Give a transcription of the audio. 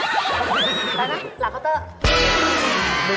เฮ่ยบ้าเอาไหมนี่